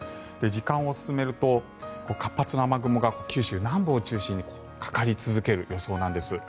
時間を進めると活発な雨雲が九州南部を中心にかかり続ける予想なんです。